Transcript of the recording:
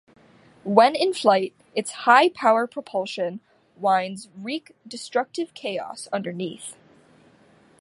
When in flight, its high-power propulsion winds wreak destructive chaos underneath.